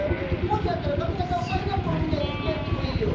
もしあったら髪形をパイナップルみたいにしてやってもいいよ！